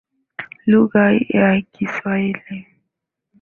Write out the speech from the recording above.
Lugha ya kiswahili.